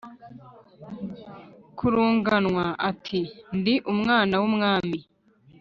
Karunganwa ati: “Ndi umwana w’umwami